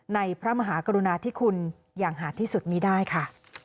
พระมหากรุณาธิคุณอย่างหาดที่สุดมีได้ค่ะ